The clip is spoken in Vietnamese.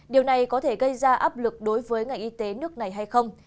điều này có thể gây ra áp lực đối với ngành y tế nước này hay không